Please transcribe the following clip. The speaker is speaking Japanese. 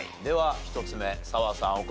では１つ目澤さん